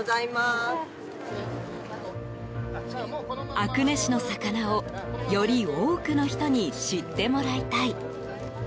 阿久根市の魚をより多くの人に知ってもらいたい。